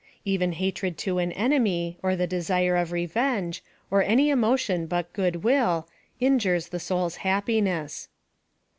Even hatred to aw enemy, or the desire of revenge, or any emotion but eood will, injures the soul's happiness.